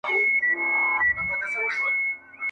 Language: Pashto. نه په نکل کي څه پاته نه بوډا ته څوک زنګیږي!.